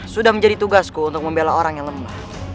sudah menjadi tugasku untuk membela orang yang lemah